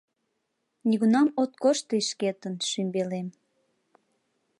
Нигунам от кошт тый шкетын, шӱмбелем.